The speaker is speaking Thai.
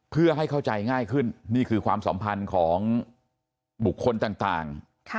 เพื่อให้เข้าใจง่ายขึ้นนี่คือความสัมพันธ์ของบุคคลต่าง